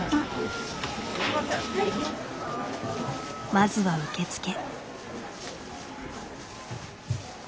まずは受け付け。